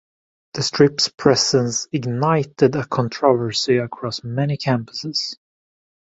The strip's presence ignited a controversy across many campuses.